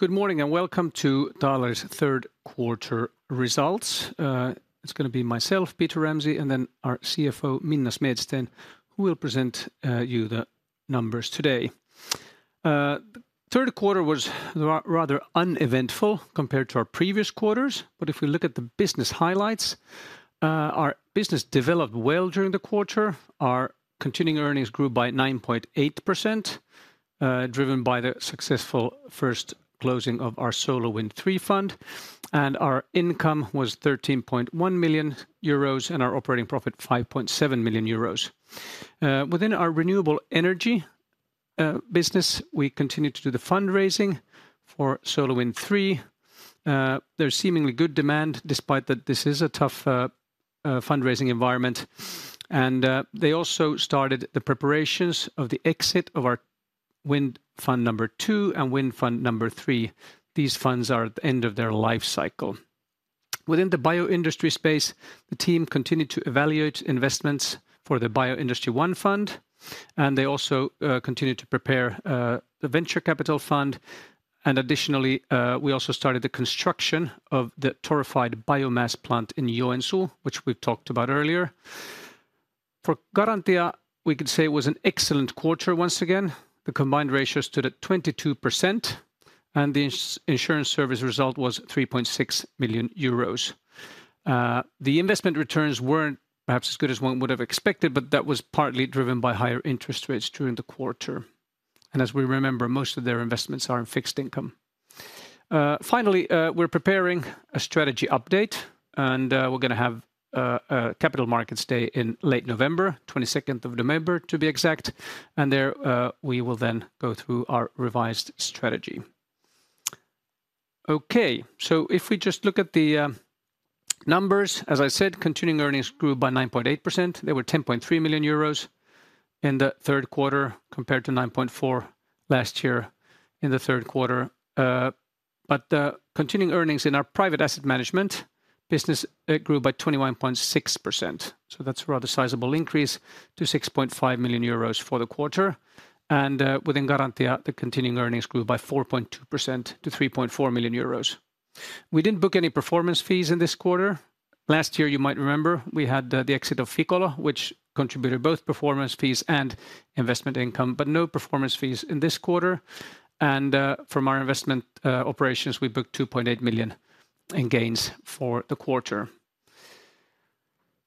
Good morning, and welcome to Taaleri's Q3 results. It's gonna be myself, Peter Ramsay, and then our CFO, Minna Smedsten, who will present you the numbers today. Q3 was rather uneventful compared to our previous quarters, but if we look at the business highlights, our business developed well during the quarter. Our continuing earnings grew by 9.8%, driven by the successful first closing of our SolarWind III fund, and our income was 13.1 million euros, and our operating profit, 5.7 million euros. Within our renewable energy business, we continued to do the fundraising for SolarWind III. There's seemingly good demand, despite that this is a tough fundraising environment, and they also started the preparations of the exit of our Wind Fund number II and Wind Fund number III. These funds are at the end of their life cycle. Within the bioindustry space, the team continued to evaluate investments for the Bioindustry I fund, and they also continued to prepare the venture capital fund. And additionally, we also started the construction of the torrefied biomass plant in Joensuu, which we've talked about earlier. For Garantia, we could say it was an excellent quarter once again. The combined ratio stood at 22%, and the insurance service result was 3.6 million euros. The investment returns weren't perhaps as good as one would have expected, but that was partly driven by higher interest rates during the quarter. And as we remember, most of their investments are in fixed income. Finally, we're preparing a strategy update, and we're gonna have a capital markets day in late November, 22nd of November, to be exact, and there we will then go through our revised strategy. Okay, so if we just look at the numbers, as I said, continuing earnings grew by 9.8%. They were 10.3 million euros in the Q3, compared to 9.4 last year in the Q3. But continuing earnings in our private asset management business, it grew by 21.6%, so that's a rather sizable increase to 6.5 million euros for the quarter. And within Garantia, the continuing earnings grew by 4.2% to 3.4 million euros. We didn't book any performance fees in this quarter. Last year, you might remember, we had the exit of Ficolo, which contributed both performance fees and investment income, but no performance fees in this quarter. And from our investment operations, we booked 2.8 million in gains for the quarter.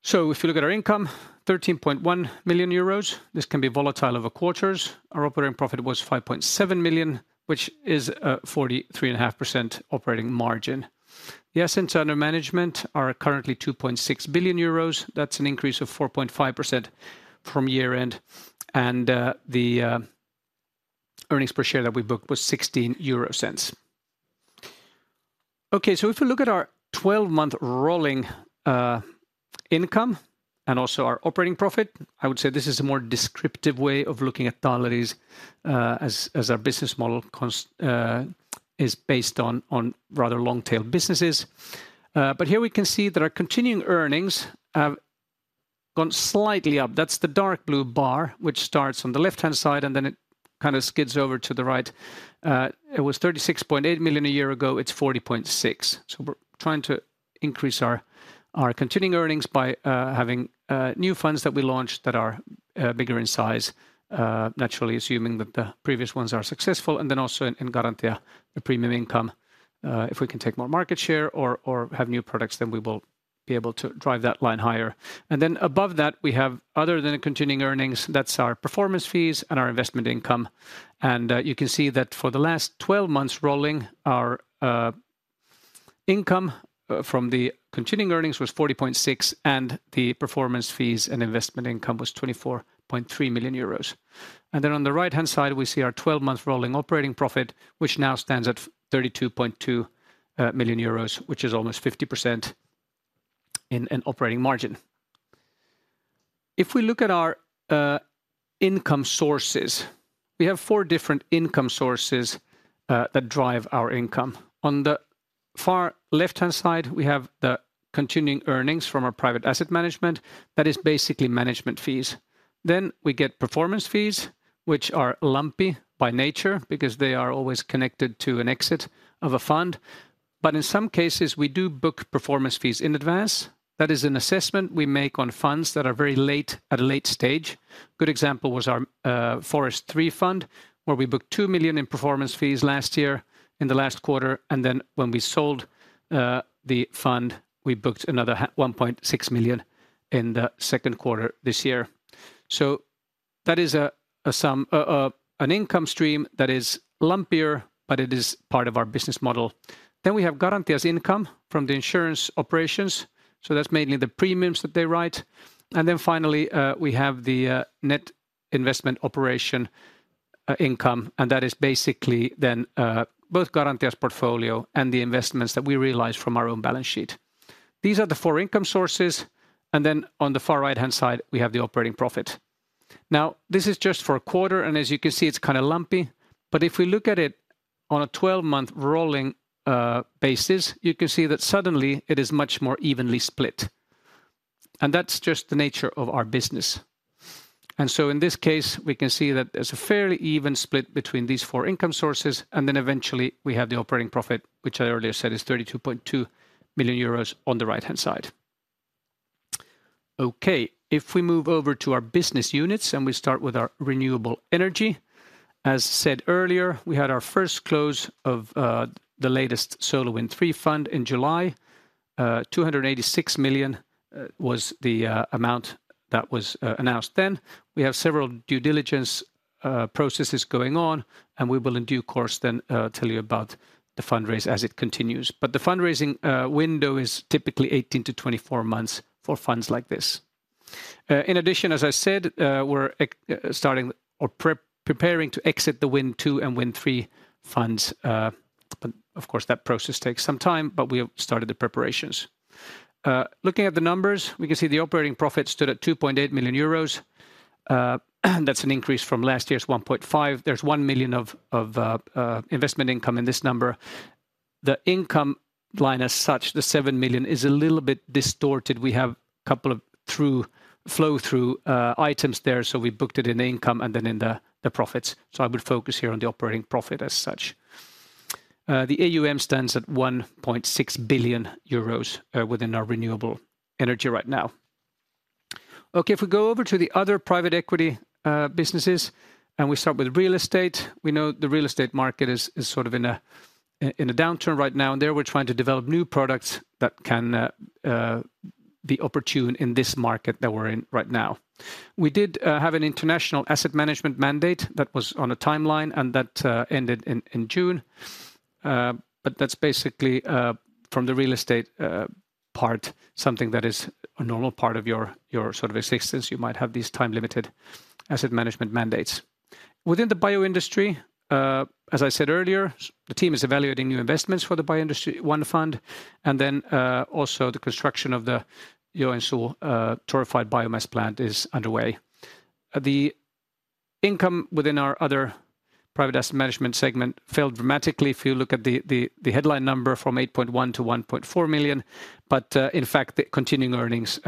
So if you look at our income, 13.1 million euros. This can be volatile over quarters. Our operating profit was 5.7 million, which is a 43.5% operating margin. The assets under management are currently 2.6 billion euros. That's an increase of 4.5% from year-end, and the earnings per share that we booked was €0.16. Okay, so if you look at our twelve-month rolling income and also our operating profit, I would say this is a more descriptive way of looking at Taaleri's as our business model is based on rather long-tail businesses. But here we can see that our continuing earnings have gone slightly up. That's the dark blue bar, which starts on the left-hand side, and then it kind of skids over to the right. It was 36.8 million a year ago. It's 40.6 million. So we're trying to increase our continuing earnings by having new funds that we launched that are bigger in size. Naturally, assuming that the previous ones are successful, and then also in Garantia, the premium income. If we can take more market share or, or have new products, then we will be able to drive that line higher. And then above that, we have other than the continuing earnings, that's our performance fees and our investment income. And you can see that for the last 12 months rolling, our income from the continuing earnings was 40.6, and the performance fees and investment income was 24.3 million euros. And then on the right-hand side, we see our 12-month rolling operating profit, which now stands at 32.2 million euros, which is almost 50% in an operating margin. If we look at our income sources, we have 4 different income sources that drive our income. On the far left-hand side, we have the continuing earnings from our private asset management. That is basically management fees. Then we get performance fees, which are lumpy by nature because they are always connected to an exit of a fund. But in some cases, we do book performance fees in advance. That is an assessment we make on funds that are very late, at a late stage. Good example was our Forest III fund, where we booked 2 million in performance fees last year in the last quarter, and then when we sold the fund, we booked another 1.6 million in the second quarter this year. So that is a sum, an income stream that is lumpier, but it is part of our business model. Then we have Garantia's income from the insurance operations, so that's mainly the premiums that they write. And then finally, we have the net investment operation income, and that is basically then both Garantia's portfolio and the investments that we realize from our own balance sheet. These are the four income sources, and then on the far right-hand side, we have the operating profit. Now, this is just for a quarter, and as you can see, it's kind of lumpy, but if we look at it on a 12-month rolling basis, you can see that suddenly it is much more evenly split. And that's just the nature of our business. And so in this case, we can see that there's a fairly even split between these four income sources, and then eventually we have the operating profit, which I earlier said is 32.2 million euros on the right-hand side. Okay, if we move over to our business units, and we start with our renewable energy. As said earlier, we had our first close of the latest SolarWind III fund in July. Two hundred and eighty-six million was the amount that was announced then. We have several due diligence processes going on, and we will in due course then tell you about the fundraise as it continues. But the fundraising window is typically 18-24 months for funds like this. In addition, as I said, we're preparing to exit the Wind II and Wind III funds. But of course, that process takes some time, but we have started the preparations. Looking at the numbers, we can see the operating profit stood at 2.8 million euros. That's an increase from last year's 1.5. There's 1 million of investment income in this number. The income line, as such, the 7 million, is a little bit distorted. We have a couple of flow-through items there, so we booked it in income and then in the profits. So I would focus here on the operating profit as such. The AUM stands at 1.6 billion euros within our renewable energy right now. Okay, if we go over to the other private equity businesses, and we start with real estate, we know the real estate market is sort of in a downturn right now, and there we're trying to develop new products that can be opportune in this market that we're in right now. We did have an international asset management mandate that was on a timeline, and that ended in June. But that's basically from the real estate part, something that is a normal part of your sort of existence. You might have these time-limited asset management mandates. Within the bioindustry, as I said earlier, the team is evaluating new investments for the Bioindustry I fund, and then also the construction of the Joensuu torrefied biomass plant is underway. The income within our other private asset management segment fell dramatically. If you look at the headline number from 8.1 million to 1.4 million, but in fact, the continuing earnings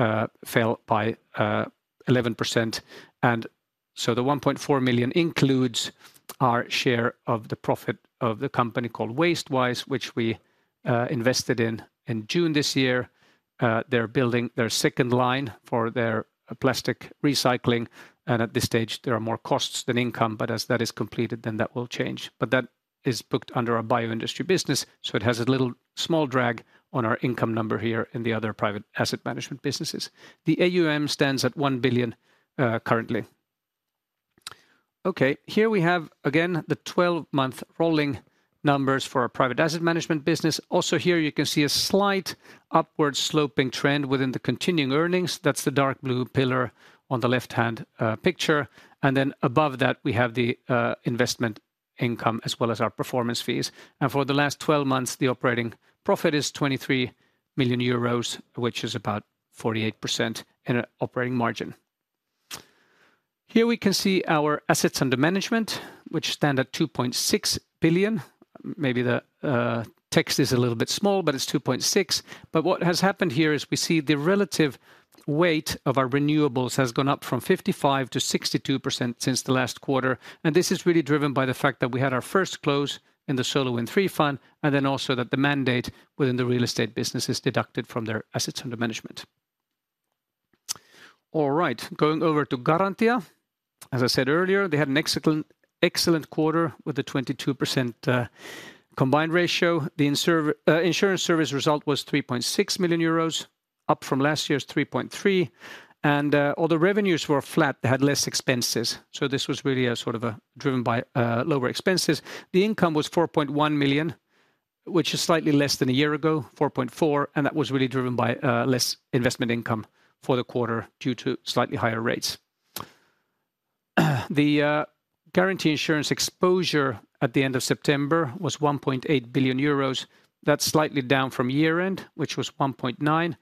fell by 11%. And so the 1.4 million includes our share of the profit of the company called WasteWise, which we invested in in June this year. They're building their second line for their plastic recycling, and at this stage, there are more costs than income, but as that is completed, then that will change. But that is booked under our bioindustry business, so it has a little small drag on our income number here in the other private asset management businesses. The AUM stands at 1 billion currently. Okay, here we have, again, the 12-month rolling numbers for our private asset management business. Also here, you can see a slight upward sloping trend within the continuing earnings. That's the dark blue pillar on the left-hand picture, and then above that, we have the investment income as well as our performance fees. For the last 12 months, the operating profit is 23 million euros, which is about 48% in an operating margin. Here we can see our assets under management, which stand at 2.6 billion. Maybe the text is a little bit small, but it's 2.6. But what has happened here is we see the relative weight of our renewables has gone up from 55%-62% since the last quarter, and this is really driven by the fact that we had our first close in the SolarWind III fund, and then also that the mandate within the real estate business is deducted from their assets under management. All right, going over to Garantia. As I said earlier, they had an excellent, excellent quarter with a 22% combined ratio. The insurance service result was 3.6 million euros, up from last year's 3.3, and all the revenues were flat. They had less expenses, so this was really a sort of a driven by lower expenses. The income was 4.1 million, which is slightly less than a year ago, 4.4, and that was really driven by less investment income for the quarter due to slightly higher rates. The Garantia insurance exposure at the end of September was 1.8 billion euros. That's slightly down from year-end, which was 1.9.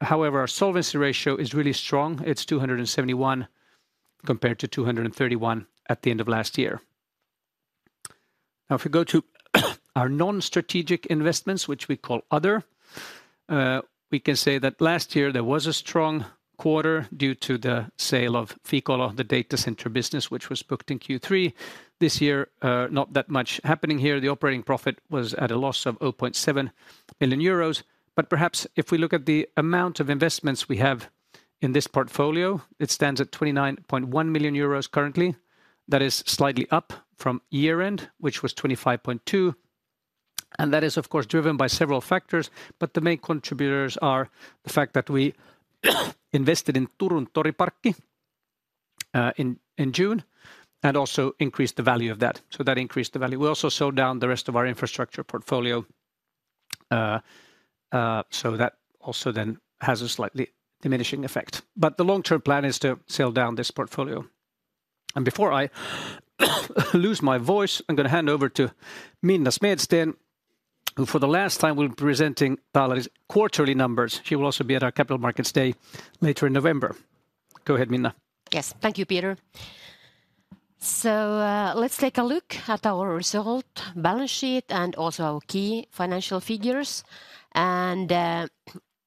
However, our solvency ratio is really strong. It's 271%, compared to 231% at the end of last year. Now, if we go to our non-strategic investments, which we call Other, we can say that last year there was a strong quarter due to the sale of Ficolo, the data center business, which was booked in Q3. This year, not that much happening here. The operating profit was at a loss of 0.7 million euros. But perhaps if we look at the amount of investments we have in this portfolio, it stands at 29.1 million euros currently. That is slightly up from year-end, which was 25.2, and that is, of course, driven by several factors, but the main contributors are the fact that we invested in Turun Toriparkki in June, and also increased the value of that, so that increased the value. We also sold down the rest of our infrastructure portfolio, so that also then has a slightly diminishing effect. But the long-term plan is to sell down this portfolio. Before I lose my voice, I'm gonna hand over to Minna Smedsten, who for the last time will be presenting Taaleri's quarterly numbers. She will also be at our Capital Markets Day later in November. Go ahead, Minna. Yes. Thank you, Peter. So, let's take a look at our result, balance sheet, and also our key financial figures. And,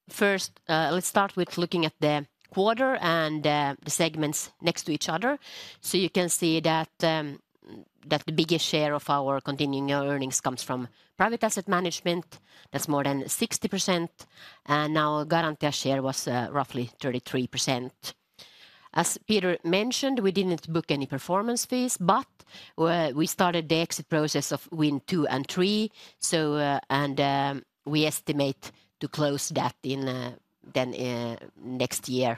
first, let's start with looking at the quarter and the segments next to each other. So you can see that, that the biggest share of our continuing earnings comes from private asset management. That's more than 60%, and now Garantia share was, roughly 33%. As Peter mentioned, we didn't book any performance fees, but, we started the exit process of Wind II and III, so... And, we estimate to close that in, then, next year,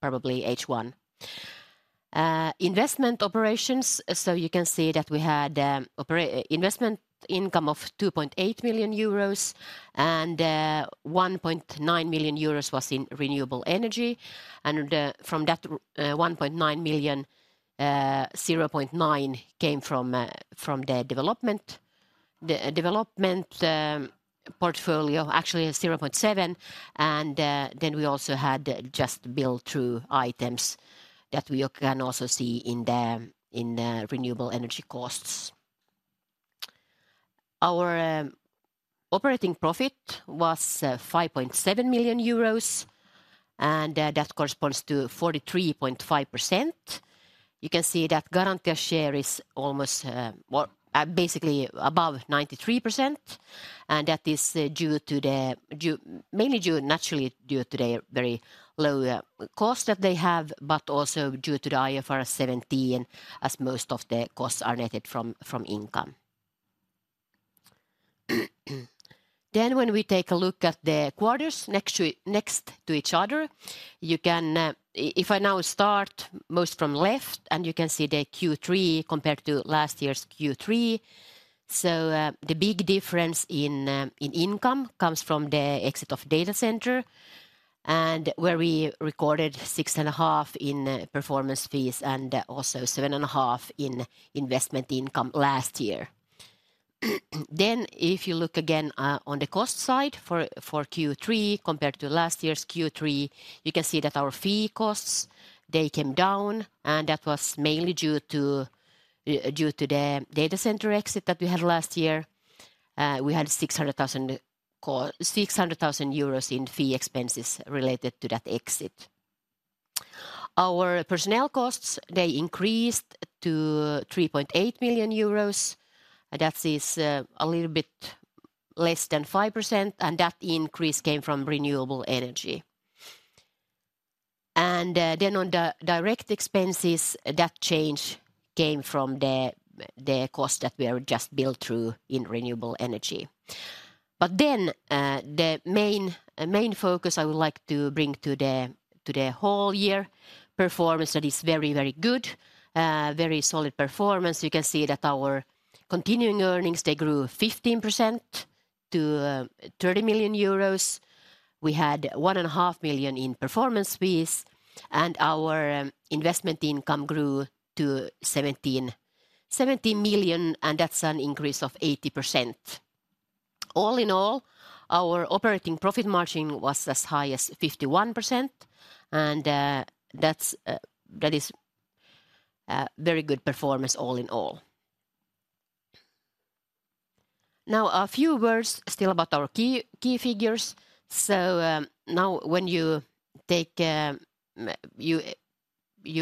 probably H1. Investment operations, so you can see that we had, investment income of 2.8 million euros, and, 1.9 million euros was in renewable energy. From that, 1.9 million, 0.9 came from the development. The development portfolio actually is 0.7 million, and then we also had just pass-through items that we can also see in the renewable energy costs. Our operating profit was 5.7 million euros, and that corresponds to 43.5%. You can see that Garantia share is almost, well, basically above 93%, and that is due, mainly due, naturally due to the very low cost that they have, but also due to the IFRS 17, as most of the costs are netted from income. Then when we take a look at the quarters next to each other, you can. If I now start most from left, and you can see the Q3 compared to last year's Q3. The big difference in income comes from the exit of data center, and where we recorded 6.5 million in performance fees, and also 7.5 million in investment income last year. Then if you look again, on the cost side for Q3 compared to last year's Q3, you can see that our fee costs, they came down, and that was mainly due to the data center exit that we had last year. We had 600,000 euros in fee expenses related to that exit. Our personnel costs, they increased to 3.8 million euros, and that is a little bit less than 5%, and that increase came from renewable energy. Then on the direct expenses, that change came from the cost that we have just billed through in renewable energy. But then, the main focus I would like to bring to the whole year performance, that is very, very good, very solid performance. You can see that our continuing earnings, they grew 15% to 30 million euros. We had 1.5 million in performance fees, and our investment income grew to 17, 17 million, and that's an increase of 80%. All in all, our operating profit margin was as high as 51%, and, that's, that is a very good performance all in all. Now, a few words still about our key figures. So now when you take, you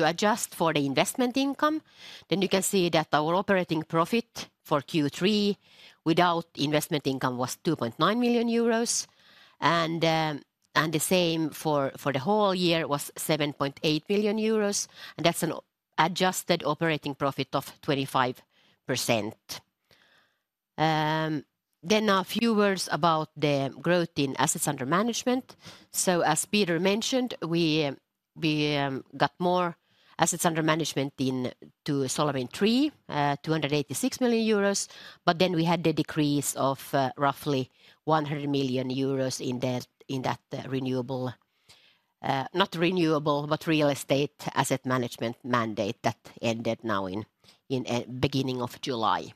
adjust for the investment income, then you can see that our operating profit for Q3 without investment income was 2.9 million euros. And the same for the whole year was 7.8 million euros, and that's an adjusted operating profit of 25%. Then a few words about the growth in assets under management. So as Peter mentioned, we got more assets under management into SolarWind III, 286 million euros, but then we had the decrease of roughly 100 million euros in the, in that renewable, not renewable, but real estate asset management mandate that ended now in beginning of July.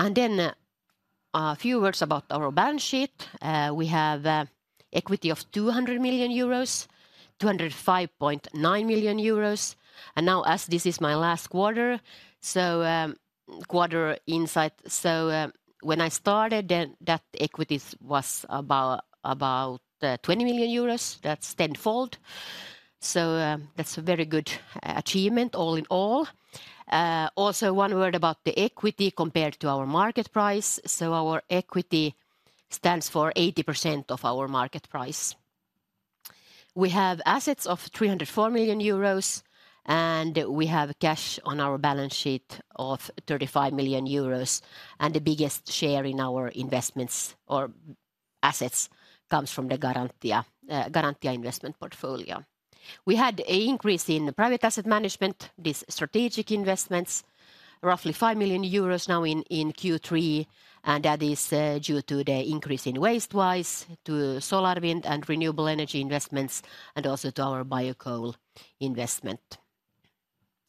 And then a few words about our balance sheet. We have equity of 200 million euros, 205.9 million euros. Now as this is my last quarter, so, quarter insight, so, when I started, then that equity was about, about, twenty million euros. That's tenfold. So, that's a very good achievement all in all. Also one word about the equity compared to our market price. So our equity stands for 80% of our market price. We have assets of 304 million euros, and we have cash on our balance sheet of 35 million euros, and the biggest share in our investments or assets comes from the Garantia, Garantia investment portfolio. We had an increase in private asset management, these strategic investments, roughly 5 million euros now in, in Q3, and that is due to the increase in WasteWise, to SolarWind and renewable energy investments, and also to our Biocoal investment.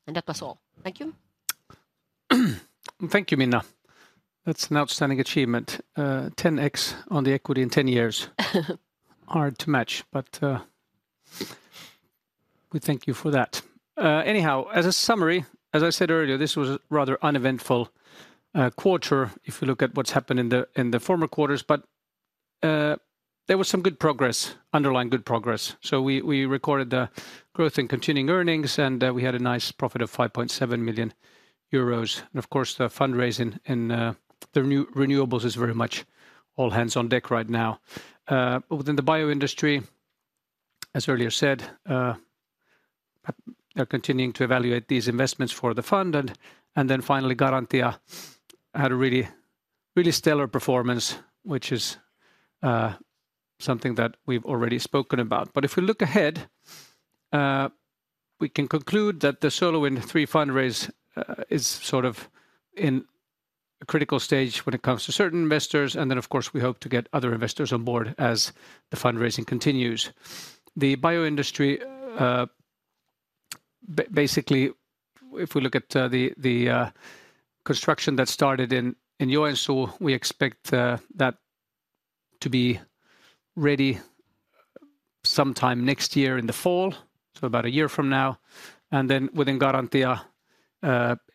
And that was all. Thank you! Thank you, Minna. That's an outstanding achievement. 10x on the equity in ten years. Hard to match, but we thank you for that. Anyhow, as a summary, as I said earlier, this was a rather uneventful quarter if you look at what's happened in the former quarters, but there was some good progress, underlying good progress. So we recorded the growth in continuing earnings, and we had a nice profit of 5.7 million euros. And of course, the fundraising in the renewables is very much all hands on deck right now. Within the bio industry, as earlier said, are continuing to evaluate these investments for the fund. And then finally, Garantia had a really, really stellar performance, which is something that we've already spoken about. But if we look ahead, we can conclude that the SolarWind III fundraise is sort of in a critical stage when it comes to certain investors, and then, of course, we hope to get other investors on board as the fundraising continues. The bioindustry, basically, if we look at the construction that started in Joensuu, we expect that to be ready sometime next year in the fall, so about a year from now. And then within Garantia,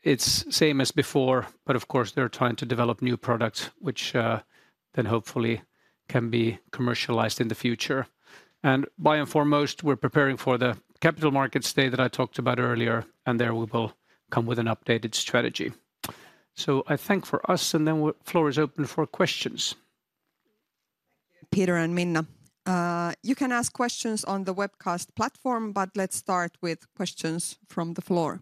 it's same as before, but of course, they're trying to develop new products, which then hopefully can be commercialized in the future. And by and foremost, we're preparing for the Capital Markets Day that I talked about earlier, and there we will come with an updated strategy. So I thank for us, and then floor is open for questions. Thank you, Peter and Minna. You can ask questions on the webcast platform, but let's start with questions from the floor.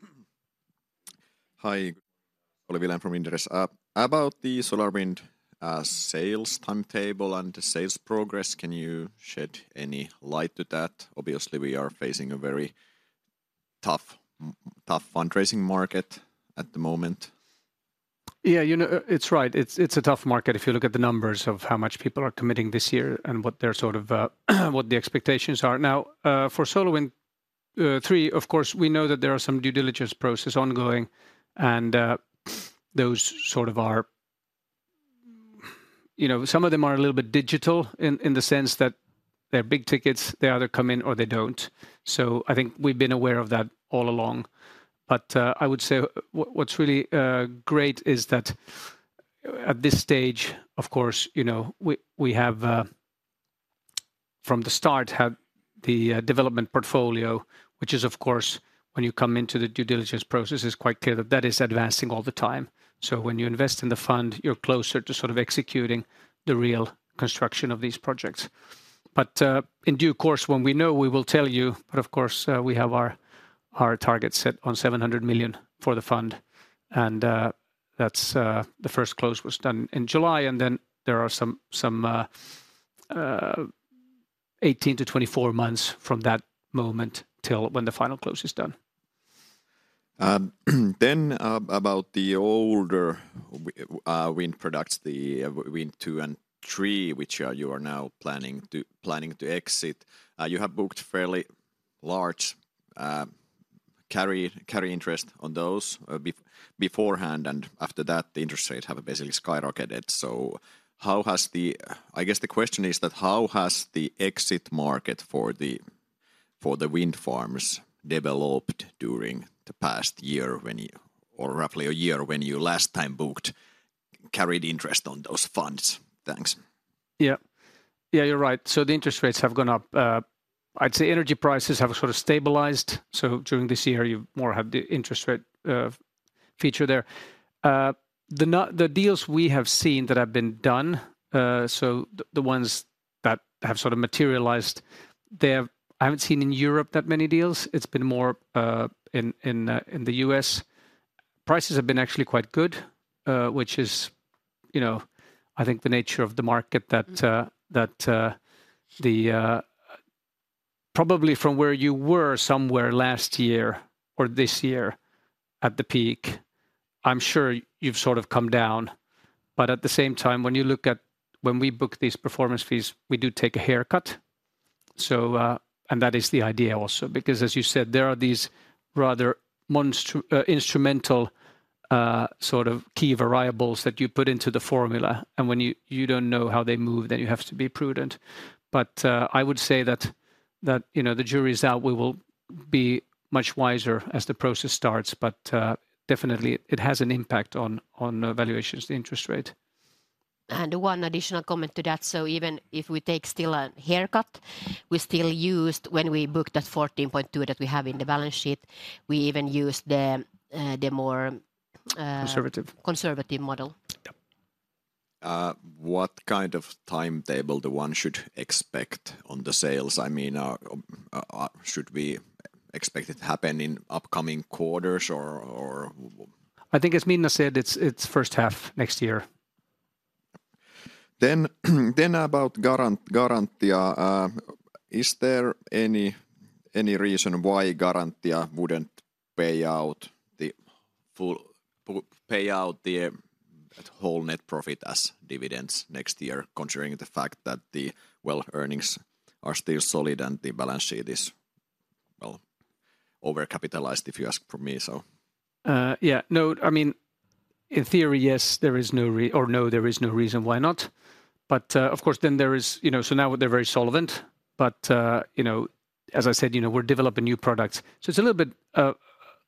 Who starts? Hi, Olli Viljanen from Inderes. About the SolarWind, sales timetable and the sales progress, can you shed any light to that? Obviously, we are facing a very tough, tough fundraising market at the moment. Yeah, you know, it's right. It's a tough market if you look at the numbers of how much people are committing this year and what their sort of what the expectations are. Now, for SolarWind III, of course, we know that there are some due diligence process ongoing, and those sort of are... You know, some of them are a little bit digital in the sense that they're big tickets, they either come in or they don't. So I think we've been aware of that all along. But I would say what's really great is that at this stage, of course, you know, we have from the start had the development portfolio, which is, of course, when you come into the due diligence process, it's quite clear that that is advancing all the time. So when you invest in the fund, you're closer to sort of executing the real construction of these projects. But in due course, when we know, we will tell you. But of course, we have our target set on 700 million for the fund. And that's the first close was done in July, and then there are some 18-24 months from that moment till when the final close is done. Then, about the older wind products, the Wind II and III, which you are now planning to exit. You have booked fairly large carried interest on those beforehand, and after that, the interest rates have basically skyrocketed. So how has the... I guess the question is that how has the exit market for the wind farms developed during the past year or roughly a year when you last time booked carried interest on those funds? Thanks. Yeah. Yeah, you're right. So the interest rates have gone up. I'd say energy prices have sort of stabilized, so during this year, you more have the interest rate feature there. The deals we have seen that have been done, so the ones that have sort of materialized there, I haven't seen in Europe that many deals. It's been more in the US. Prices have been actually quite good, which is, you know, I think the nature of the market that probably from where you were somewhere last year or this year at the peak, I'm sure you've sort of come down. But at the same time, when you look at when we book these performance fees, we do take a haircut. So... That is the idea also, because as you said, there are these rather instrumental, sort of key variables that you put into the formula, and when you, you don't know how they move, then you have to be prudent. But, I would say that, that, you know, the jury is out. We will be much wiser as the process starts, but, definitely it has an impact on, on valuations, the interest rate. One additional comment to that, so even if we take still a haircut, we still used, when we booked that 14.2 that we have in the balance sheet, we even used the, the more, Conservative conservative model. Yep. What kind of timetable the one should expect on the sales? I mean, should we expect it to happen in upcoming quarters, or, I think as Minna said, it's first half next year. Then about Garantia, is there any reason why Garantia wouldn't pay out the full payout, the whole net profit as dividends next year, considering the fact that the, well, earnings are still solid and the balance sheet is, well, over-capitalized, if you ask me, so? Yeah, no, I mean, in theory, yes, there is no reason why not. But, of course, then there is, you know, so now they're very solvent, but, you know, as I said, you know, we're developing new products. So it's a little bit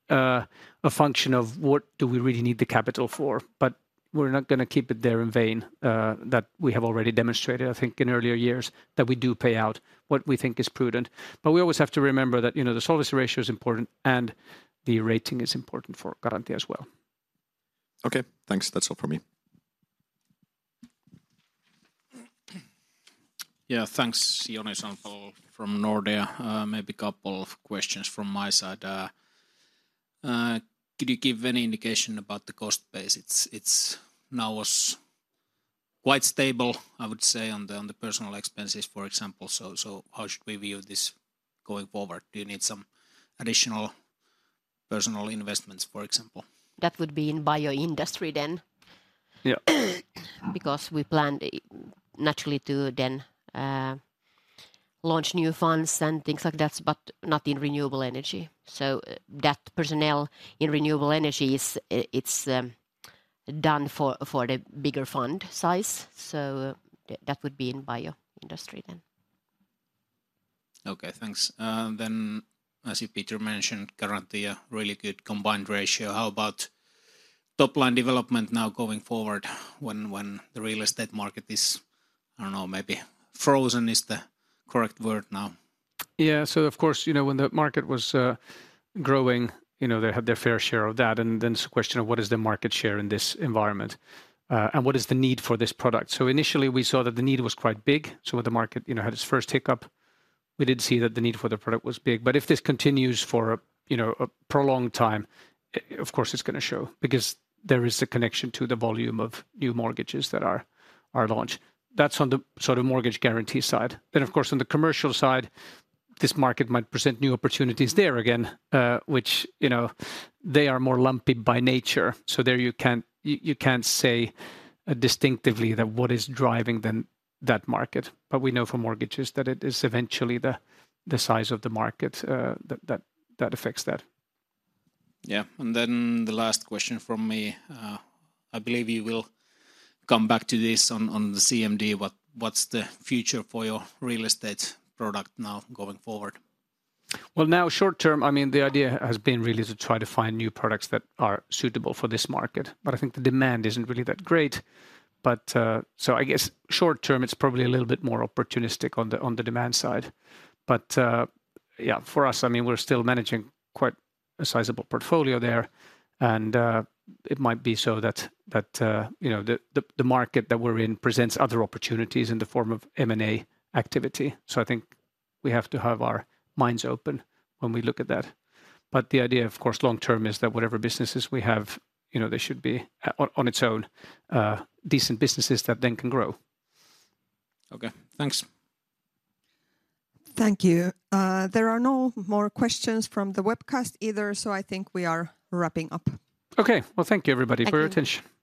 a function of what do we really need the capital for? But we're not gonna keep it there in vain, that we have already demonstrated, I think, in earlier years, that we do pay out what we think is prudent. But we always have to remember that, you know, the solvency ratio is important, and the rating is important for Garantia as well. Okay, thanks. That's all from me. Yeah, thanks, Joni Sandvall from Nordea. Maybe a couple of questions from my side. Could you give any indication about the cost base? It's now quite stable, I would say, on the personal expenses, for example. So how should we view this going forward? Do you need some additional personal investments, for example? That would be in bioindustry then. Yeah. Because we planned naturally to then launch new funds and things like that, but not in renewable energy. So, that personnel in renewable energy is, it's done for the bigger fund size, so that would be in bioindustry then. Okay, thanks. Then, as you, Peter, mentioned, Garantia really good combined ratio. How about top-line development now going forward when the real estate market is, I don't know, maybe frozen is the correct word now? Yeah. So of course, you know, when the market was growing, you know, they had their fair share of that, and then it's a question of what is the market share in this environment, and what is the need for this product? So initially, we saw that the need was quite big, so when the market, you know, had its first hiccup, we did see that the need for the product was big. But if this continues for a you know, prolonged time, of course, it's gonna show because there is a connection to the volume of new mortgages that are launched. That's on the sort of mortgage guarantee side. Then, of course, on the commercial side, this market might present new opportunities there again, which, you know, they are more lumpy by nature. So there you can't... You can't say distinctively that what is driving then that market. But we know from mortgages that it is eventually the size of the market that affects that. Yeah. Then the last question from me, I believe you will come back to this on the CMD, but what's the future for your real estate product now going forward? Well, now short-term, I mean, the idea has been really to try to find new products that are suitable for this market. But I think the demand isn't really that great. But, so I guess short-term, it's probably a little bit more opportunistic on the demand side. But, yeah, for us, I mean, we're still managing quite a sizable portfolio there, and, it might be so that, you know, the market that we're in presents other opportunities in the form of M&A activity. So I think we have to have our minds open when we look at that. But the idea, of course, long-term, is that whatever businesses we have, you know, they should be on its own, decent businesses that then can grow. Okay, thanks. Thank you. There are no more questions from the webcast either, so I think we are wrapping up. Okay. Well, thank you, everybody- Thank you for your attention.